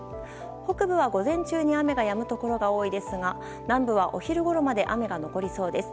北部は午前中に雨がやむところが多いですが南部はお昼ごろまで雨が残りそうです。